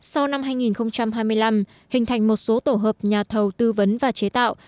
sau năm hai nghìn hai mươi năm hình thành một số tổ hợp nhà thầu tư vấn và chế tạo